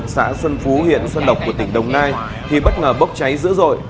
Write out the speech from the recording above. xã xuân phú huyện xuân độc của tỉnh đồng nai thì bất ngờ bốc cháy dữ dội